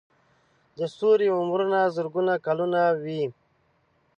د ستوري عمرونه زرګونه کلونه وي.